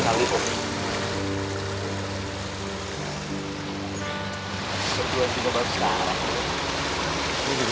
nggak usah gue juga banget sekarang